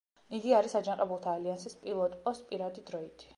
იგი არის აჯანყებულთა ალიანსის პილოტ პოს პირადი დროიდი.